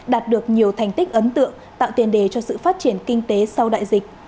đạt được nhiều thành tích ấn tượng tạo tiền đề cho sự phát triển kinh tế sau đại dịch